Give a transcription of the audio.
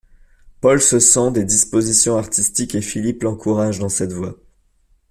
Paul se sent des dispositions artistiques et Philippe l'encourage dans cette voie.